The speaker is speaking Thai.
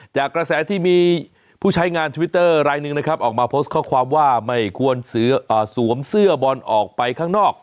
จากกระแสที่มีผู้ใช้งานทวิตเตอร์รายหนึ่งนะครับออกมาโพสต์ข้อความว่าไม่ควรสวมเสื้อบอลออกไปข้างนอก